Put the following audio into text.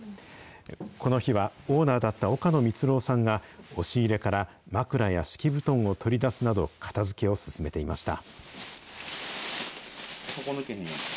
この日は、オーナーだった岡野光郎さんが、押し入れから枕や敷布団を取り出すなど、片づけを進めていました。